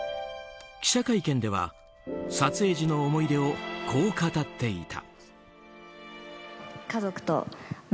記者会見では、撮影時の思い出をこう語っていた。